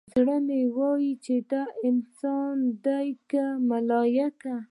زړه مې ويل چې دى انسان دى که ملايک.